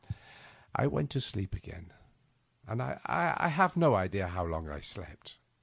I went to sleep again ; but I have no idea how long I slept.